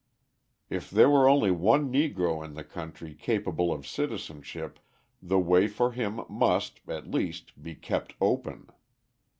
If there were only one Negro in the country capable of citizenship, the way for him must, at least, be kept open.